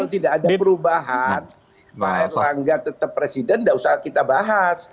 jadi kalau tidak ada perubahan pak erlangga tetap presiden enggak usah kita bahas